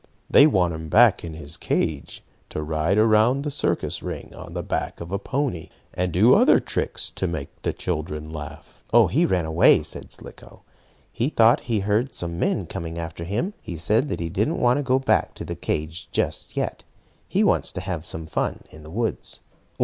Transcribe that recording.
They want him back in his cage to ride around the circus ring on the back of a pony, and do other tricks to make the children laugh." "Oh, he ran away," said Slicko. "He thought he heard some men coming after him. He said he did not want to go back to the cage just yet. He wants to have some fun in the woods."